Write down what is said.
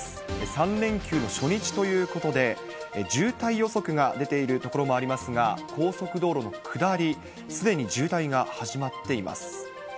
３連休の初日ということで、渋滞予測が出ている所もありますが、高速道路の下り、すでに渋滞が始まっています。